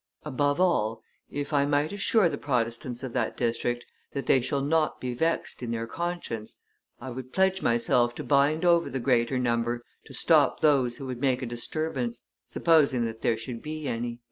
Above all, if I might assure the Protestants of that district that they shall not be vexed in their conscience, I would pledge myself to bind over the greater number to stop those who would make a disturbance, supposing that there should be any."